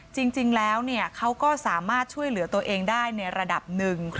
จริงแล้วเขาก็สามารถช่วยเหลือตัวเองได้ในระดับหนึ่ง